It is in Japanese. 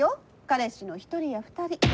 彼氏の１人や２人。